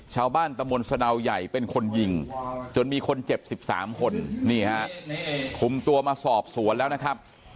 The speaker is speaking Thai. ชาวบ้านตะมนต์สนาวใหญ่เป็นคนยิงจนมีคนเจ็บ๑๓คนคุมตัวมาสอบสวนแล้วนะครับ